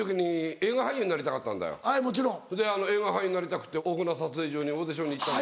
映画俳優になりたくて大船撮影所にオーディションに行った。